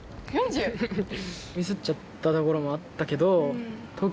ミスっちゃったところもあったけど。